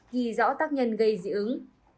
ghi rõ tác nhân gây dị ứng